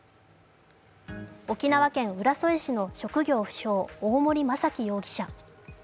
沖縄県浦添市の職業不詳大森正樹容疑者。